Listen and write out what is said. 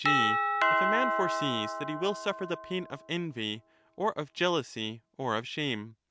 g. if a man foresees that he will suffer the pain of envy or of jealousy or of shame.